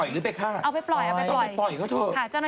เขาก็สงสาร